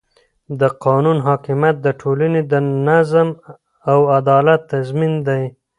د قانون حاکمیت د ټولنې د نظم او عدالت تضمین دی